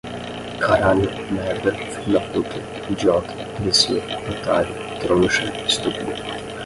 Caralho, merda, filho da puta, idiota, imbecil, otário, trouxa, estúpido